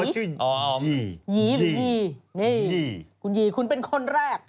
จนผิดพี่กัด